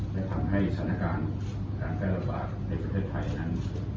และทำให้สถานการณ์การแพร่ระบาดในประเทศไทยนั้น